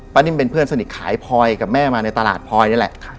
นิ่มเป็นเพื่อนสนิทขายพลอยกับแม่มาในตลาดพลอยนี่แหละ